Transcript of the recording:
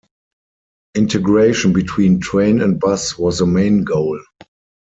Integration between train and bus was the main goal.